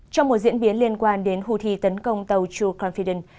trong một diễn biến liên quan đến houthi tấn công tàu true confiden